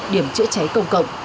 điểm chữa cháy công cộng